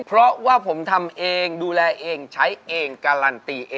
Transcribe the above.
เพราะว่าผมทำเองดูแลเองใช้เองการันตีเอง